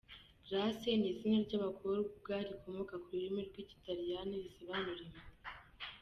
Grâce ni izina ry’abakobwa rikomoka ku rurimi rw’ikilatini risobanura “Impuhwe”.